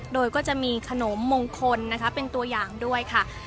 โดยก็จะมีขนมมงคลนะคะเป็นตัวอย่างด้วยค่ะ